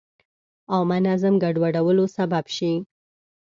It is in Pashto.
عامه نظم ګډوډولو سبب شي.